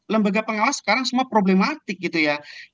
lembaga pengawas sekarang semua problematik gitu ya